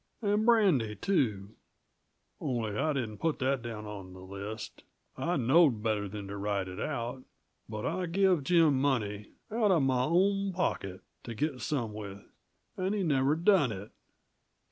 And brandy, too only I didn't put that down on the list; I knowed better than to write it out. But I give Jim money out uh my own pocket! to git some with, and he never done it.